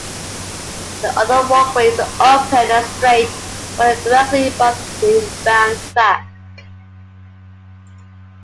The other walkway is open and straight, running directly above the inbound track.